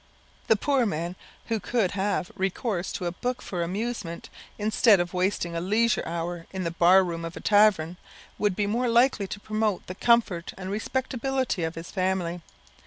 The poor man who could have recourse to a book for amusement, instead of wasting a leisure hour in the barroom of a tavern, would be more likely to promote the comfort and respectability of his family.